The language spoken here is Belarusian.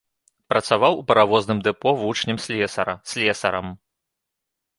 Працаваў у паравозным дэпо вучнем слесара, слесарам.